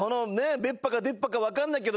「べっぱ」か「でっぱ」か分かんないけど。